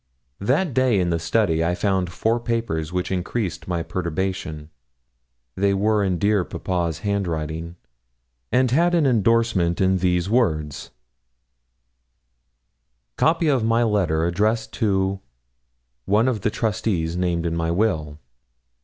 That day in the study I found four papers which increased my perturbation. They were in dear papa's handwriting, and had an indorsement in these words 'Copy of my letter addressed to , one of the trustees named in my will.'